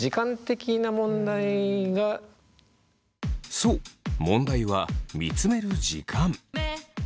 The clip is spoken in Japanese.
そう問題は見つめる時間。